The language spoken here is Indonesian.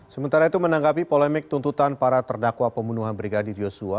sementara itu menanggapi polemik tuntutan para terdakwa pembunuhan brigadir yosua